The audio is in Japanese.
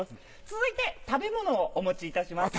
続いて食べ物をお持ちいたします。